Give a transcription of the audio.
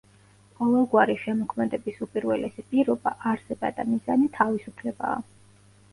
ყოველგვარი შემოქმედების უპირველესი პირობა, არსება და მიზანი თავისუფლებაა.